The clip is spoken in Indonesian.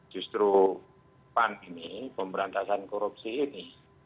justru pandemi pemberantasan korupsi ini